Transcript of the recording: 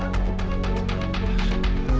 aku mau jatuh dulu